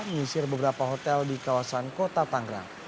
mengisir beberapa hotel di kawasan kota tanggrang